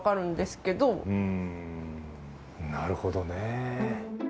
なるほどね。